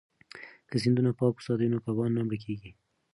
که سیندونه پاک وساتو نو کبان نه مړه کیږي.